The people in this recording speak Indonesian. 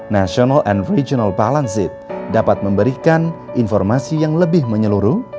national and regional balanced dapat memberikan informasi yang lebih menyeluruh